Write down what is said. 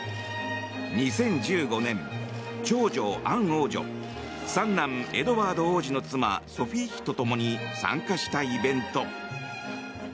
２０１５年、長女アン王女三男エドワード王子の妻ソフィー妃と共に参加したイベント。